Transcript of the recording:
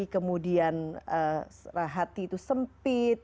kemudian hati itu sempit